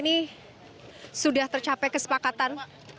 ini sudah tercapai kesepakatan